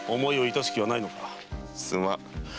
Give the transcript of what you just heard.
すまん。